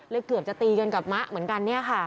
เกือบจะตีกันกับมะเหมือนกันเนี่ยค่ะ